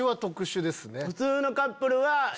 普通のカップルは。